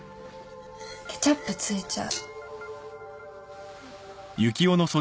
ケチャップ付いちゃう。